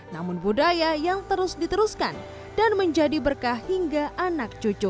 namun budaya yang terus diteruskan dan menjadi berkah hingga anak cucu